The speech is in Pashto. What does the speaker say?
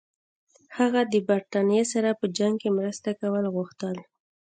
هغه د برټانیې سره په جنګ کې مرسته کول غوښتل.